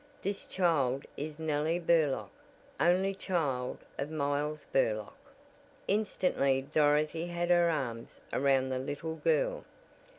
"This child is Nellie Burlock, only child of Miles Burlock." Instantly Dorothy had her arms around the little girl.